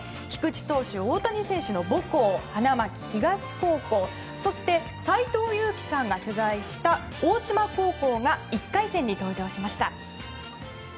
菊池投手、大谷選手の母校である花巻東高校そして斎藤佑樹さんが取材した大島高校が１回戦に登場しました。